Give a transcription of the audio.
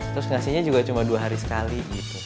terus ngasihnya juga cuma dua hari sekali